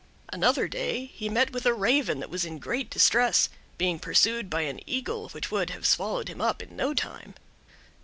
Another day he met with a Raven that was in great distress, being pursued by an Eagle, which would have swallowed him up in no time.